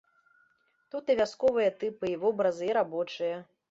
Тут і вясковыя тыпы і вобразы, і рабочыя.